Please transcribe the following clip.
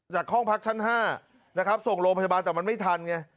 ห้องพักชั้น๕นะครับส่งโรงพยาบาลแต่มันไม่ทันไง